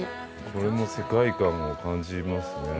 これも世界観を感じますね。